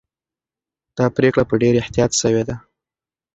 دا پرېکړه په ډېر احتیاط سوې ده.